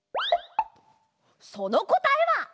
そのこたえは。